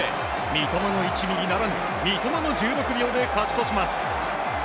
三笘の１ｍｍならぬ三笘の１６秒で勝ち越します。